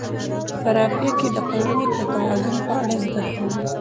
په رافعه کې د قوو د توازن په اړه زده کوو.